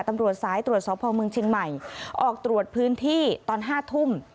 ตำรวจสายตรวจสอบพ่อเมืองเชียงใหม่ออกตรวจพื้นที่ตอน๕ทุ่ม